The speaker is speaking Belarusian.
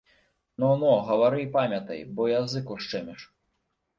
Но, но, гавары і памятай, бо язык ушчэміш.